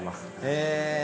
へえ。